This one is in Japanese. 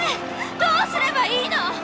どうすればいいの！？